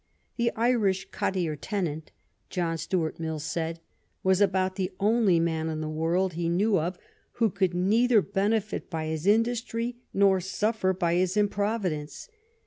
The Irish cottier tenant, John Stuart Mill said, was about the only man in the world he knew of who could neither benefit by his industry nor suffer by his improvidence.